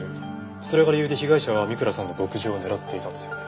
それが理由で被害者は三倉さんの牧場を狙っていたんですよね。